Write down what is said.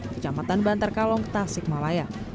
kecamatan bantar kalong tasik malaya